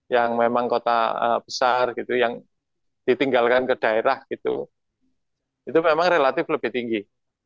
yang memang kota besar gitu yang ditinggalkan ke daerah gitu itu memang relatif lebih tinggi